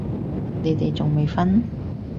你哋仲未瞓？